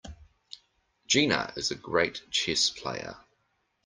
Gina is a great chess player.